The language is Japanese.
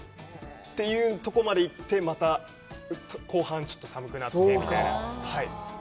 というところまで行って、また後半、ちょっと寒くなってみたいな。